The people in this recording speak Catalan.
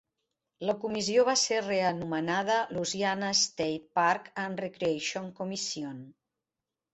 La comissió va ser reanomenada Louisiana State Parks and Recreation Commission.